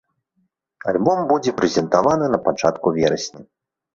Альбом будзе прэзентаваны на пачатку верасня.